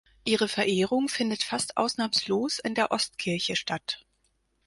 Ihre Verehrung findet fast ausnahmslos in der Ostkirche statt.